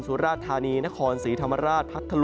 สุราชทานี๗๓นักครองชาติ๖๔สีธรรมราช๘๑